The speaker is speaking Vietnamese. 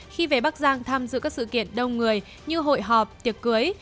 khi về bắc giang tham dự các sự kiện đông người như hội họp tiệc cưới